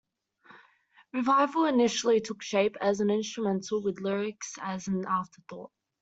"Revival" initially took shape as an instrumental, with lyrics as an afterthought.